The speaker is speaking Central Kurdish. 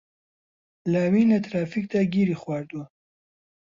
لاوین لە ترافیکدا گیری خواردووە.